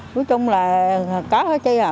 cuối chung là có